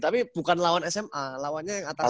tapi bukan lawan sma lawannya yang atas